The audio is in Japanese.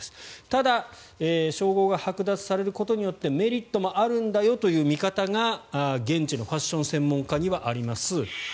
ただ、称号がはく奪されることによってメリットもあるんだよという見方が現地のファッション専門家にはあります。